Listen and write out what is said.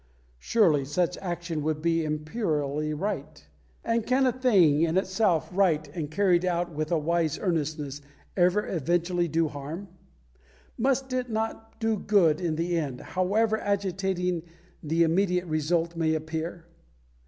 Surely such action would be Imperially right; and can a thing right in itself and carried out with a wise earnestness, ever eventually do harm? Must it not do good in the end, however agitating the immediate result may appear?